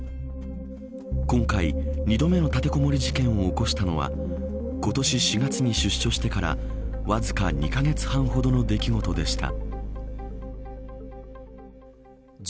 今回、２度目の立てこもり事件を起こしたのは今年４月に出所してからわずか２カ月半ほどの出来事でした。